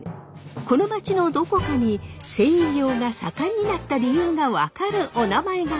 この町のどこかに繊維業が盛んになった理由が分かるおなまえがあるというのですが。